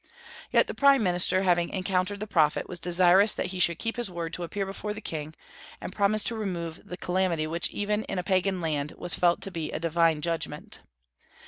Yet the prime minister, having encountered the prophet, was desirous that he should keep his word to appear before the king, and promise to remove the calamity which even in a pagan land was felt to be a divine judgment.